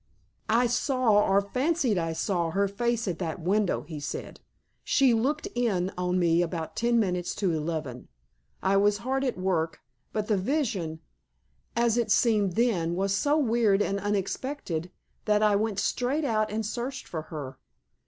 "I saw, or fancied I saw, her face at that window," he said. "She looked in on me about ten minutes to eleven. I was hard at work, but the vision, as it seemed then, was so weird and unexpected, that I went straight out and searched for her.